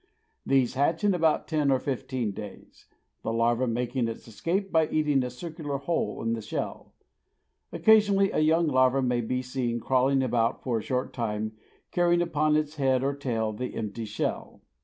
These hatch in about ten or fifteen days, the larva making its escape by eating a circular hole in the shell. Occasionally a young larva may be seen crawling about for a short time, carrying upon its head or tail the empty shell.